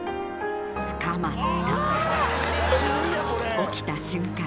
［起きた瞬間